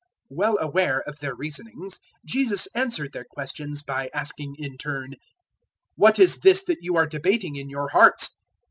005:022 Well aware of their reasonings, Jesus answered their questions by asking in turn, "What is this that you are debating in your hearts?